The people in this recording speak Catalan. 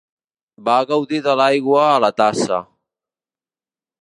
Va gaudir de l'aigua a la tassa.